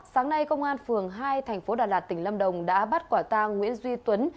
sáng nay công an phường hai thành phố đà lạt tỉnh lâm đồng đã bắt quả tang nguyễn duy tuấn